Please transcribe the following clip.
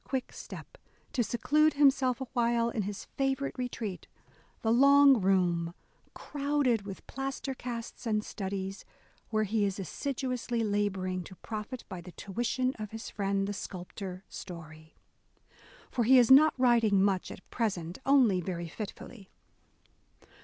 BROWNING quick step, to seclude himself awhile in his favourite retreat, — the "long room," crowded with plaster casts and studies, where he is assid uously labouring to profit by the tuition of his friend the sculptor Story. For he is not writing much at present ; only very fitfully.